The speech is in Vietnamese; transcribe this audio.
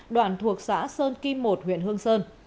đoạn thuộc xã sơn kim một huyện hương sơn